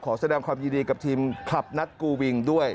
แสดงความยินดีกับทีมคลับนัดกูวิงด้วย